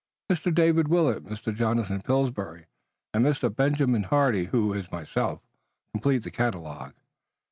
Mr. David Willet, Mr. Jonathan Pillsbury and Mr. Benjamin Hardy, who is myself, complete the catalogue."